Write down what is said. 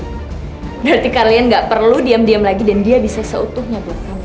berarti kalian gak perlu diam diam lagi dan dia bisa seutuhnya buat kamu